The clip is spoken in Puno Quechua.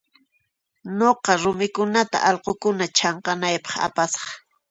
Nuqa rumikunata allqukuna chanqanaypaq apasaq.